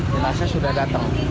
jenazah sudah datang